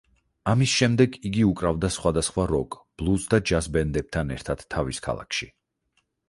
ამის შემდეგ იგი უკრავდა სხვადასხვა როკ, ბლუზ და ჯაზ ბენდებთან ერთად თავის ქალაქში.